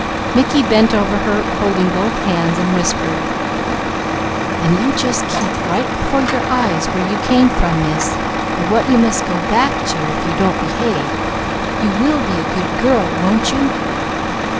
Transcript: Mickey bent over her holding both hands and whispered: "Then just you keep right before your eyes where you came from, Miss, and what you must go back to, if you don't behave. You will be a good girl, won't you?"